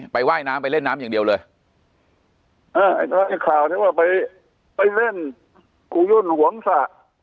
ว่ายน้ำไปเล่นน้ำอย่างเดียวเลยเออไอ้ข่าวที่ว่าไปไปเล่นกูยุ่นหวงสะ